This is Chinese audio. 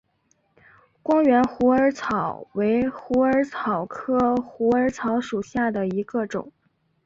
光缘虎耳草为虎耳草科虎耳草属下的一个种。